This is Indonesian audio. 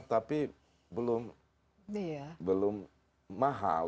tapi belum mahal